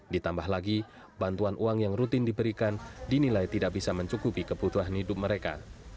ditambah lagi bantuan uang yang rutin diberikan dinilai tidak bisa mencukupi kebutuhan hidup mereka